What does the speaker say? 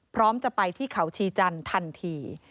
พร้อมจะไปที่เขาชีจันทร์ทันที